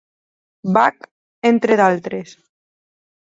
Bach, entre d'altres.